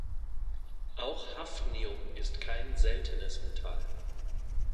Auch Hafnium ist kein seltenes Metall.